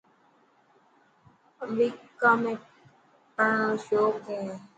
امريڪا ۾ پڙهڻ رو شونيڪ هي.